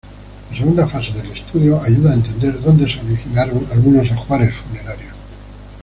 La segunda fase del estudio, ayuda a entender dónde se originaron algunos ajuares funerarios.